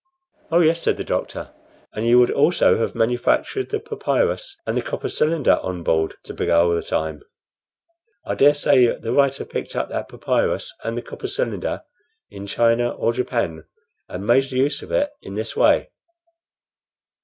"Oh yes," said the doctor; "and you would also have manufactured the papyrus and the copper cylinder on board to beguile the time." "I dare say the writer picked up that papyrus and the copper cylinder in China or Japan, and made use of it in this way."